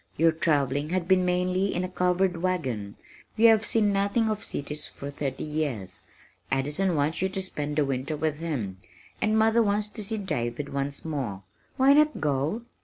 Your travelling has been mainly in a covered wagon. You have seen nothing of cities for thirty years. Addison wants you to spend the winter with him, and mother wants to see David once more why not go?